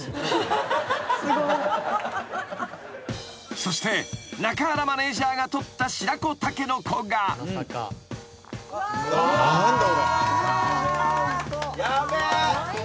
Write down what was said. ［そして中原マネジャーが採った白子タケノコが］ヤベえ。